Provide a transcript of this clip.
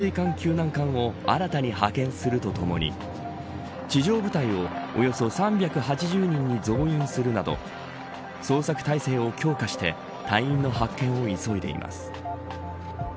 自衛隊は海底を捜索できる潜水艦救難艦を新たに派遣するとともに地上部隊をおよそ３８０人に増員するなど捜索態勢を強化して隊員の発見を急いでいます。